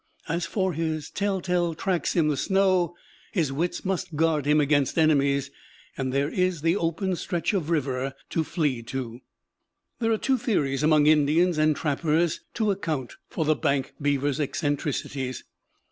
As for his telltale tracks in the snow, his wits must guard him against enemies; and there is the open stretch of river to flee to. There are two theories among Indians and trappers to account for the bank beaver's eccentricities.